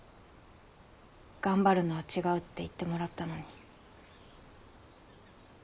「頑張るのは違う」って言ってもらったのに。